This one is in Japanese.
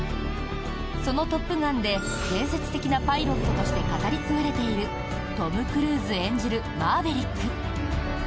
そのトップガンで伝説的なパイロットとして語り継がれているトム・クルーズ演じるマーヴェリック。